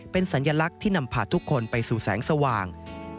เป็นสัญลักษณ์ที่นำพาทุกคนไปสู่แสงสว่าง